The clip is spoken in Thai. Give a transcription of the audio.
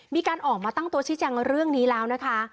มีการออกมาตั้งตัวชี้แจงเรื่องนี้แล้วนะคะ